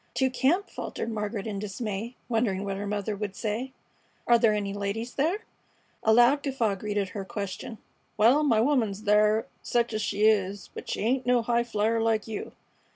"To camp!" faltered Margaret in dismay, wondering what her mother would say. "Are there any ladies there?" A loud guffaw greeted her question. "Wal, my woman's thar, sech es she is; but she ain't no highflier like you.